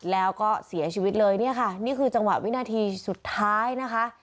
แล้วก็เสียชีวิตเลยเนี่ยค่ะนี่คือจังหวะวินาทีสุดท้ายนะคะ